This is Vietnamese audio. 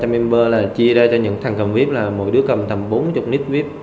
hai trăm linh member là chia ra cho những thằng cầm vip là mỗi đứa cầm tầm bốn mươi nít vip